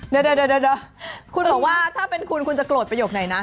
เดี๋ยวคุณบอกว่าถ้าเป็นคุณคุณจะโกรธประโยคไหนนะ